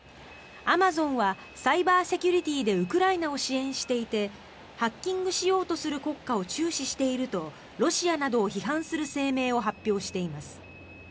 アマゾンはサイバーセキュリティーでウクライナを支援していてハッキングしようとする国家を注視しているとロシアなどを批判する声明を発表しています。